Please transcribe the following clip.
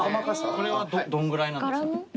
これはどんぐらいなんですか？